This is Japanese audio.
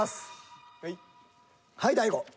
はい大悟。